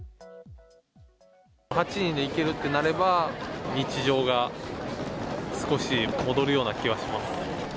８人で行けるってなれば、日常が少し戻るような気はします。